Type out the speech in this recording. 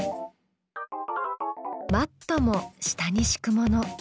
マットも下にしくもの。